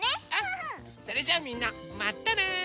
それじゃあみんなまたね！